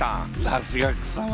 さすが草村。